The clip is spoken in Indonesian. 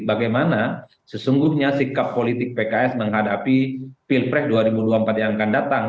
bagaimana sesungguhnya sikap politik pks menghadapi pilpres dua ribu dua puluh empat yang akan datang